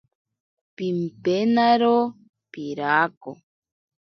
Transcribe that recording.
Pimpenaro pirako.